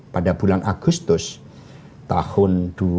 pada bulan agustus tahun dua ribu dua puluh